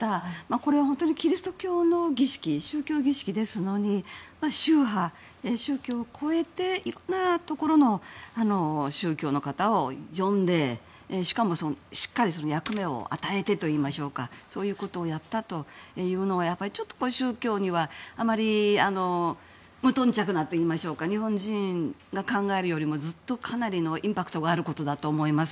これは本当にキリスト教の宗教儀式ですのに宗派、宗教を超えていろんなところの宗教の方を呼んでしかもしっかり役目を与えてといいましょうかそういうことをやったというのはやっぱり、ちょっと宗教にはあまり無頓着なといいましょうか日本人が考えるよりもかなりのインパクトがあることだと思います。